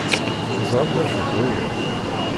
Teẓram d acu-t waya?